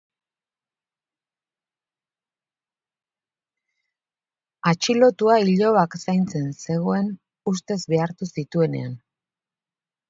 Atxilotua ilobak zaintzen zegoen ustez behartu zituenean.